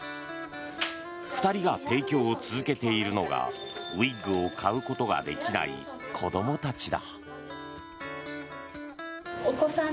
２人が提供を続けているのがウィッグを買うことができない子どもたちだ。